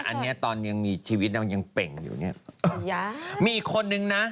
อันนี้ตอนยังมีชีวิตเราก็ยังเป่งอยู่เนี่ย